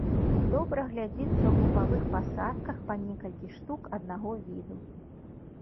Добра глядзіцца ў групавых пасадках па некалькі штук аднаго віду.